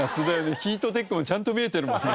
ヒートテックもちゃんと見えてるもんね。